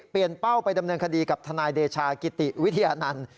เป้าไปดำเนินคดีกับทนายเดชากิติวิทยานันต์